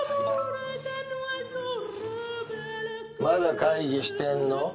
「まだ会議してんの？」